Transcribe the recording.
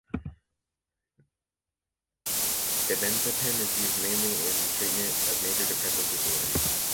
Dibenzepin is used mainly in the treatment of major depressive disorder.